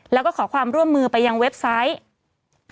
แล้วก็ขอความร่วมมือไปยังเว็บไซต์